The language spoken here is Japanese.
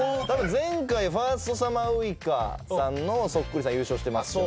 前回ファーストサマーウイカさんのそっくりさん優勝してます。